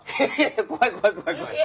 怖い怖い怖い怖い！